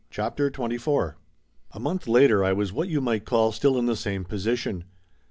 CHAPTER XXIV A MONTH later I was what you might call still in > the same position.